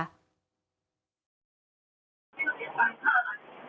พูดอยู่ว่าพี่จะบอกว่ามันจะพักสาม